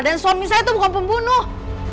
dan suami saya itu bukan pembunuh